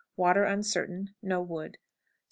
Water uncertain; no wood. 30.02.